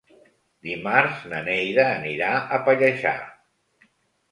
Dimarts na Neida anirà a Pallejà.